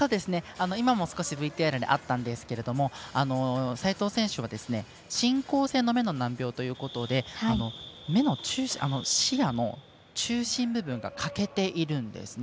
今も、少しＶＴＲであったんですけれども齋藤選手は進行性の目の難病ということで視野の中心部分が欠けているんですね。